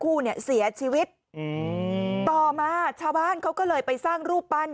คู่เนี่ยเสียชีวิตอืมต่อมาชาวบ้านเขาก็เลยไปสร้างรูปปั้น